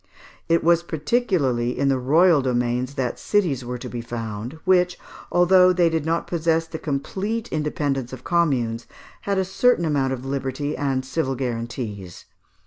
It was particularly in the royal domains that cities were to be found, which, although they did not possess the complete independence of communes, had a certain amount of liberty and civil guarantees.